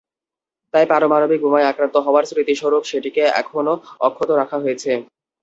তাই পারমাণবিক বোমায় আক্রান্ত হওয়ার স্মৃতিস্বরূপ সেটিকে এখনো অক্ষত রাখা হয়েছে।